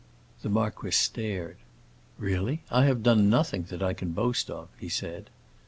The marquis stared. "Really, I have done nothing that I can boast of," he said.